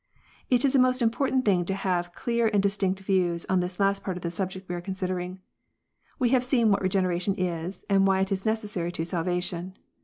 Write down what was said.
0L It is a most important thing to have clear and distinct views ^on this part of the subject we are considering. We have seen * what Regeneration is, and why it is necessary to salvation.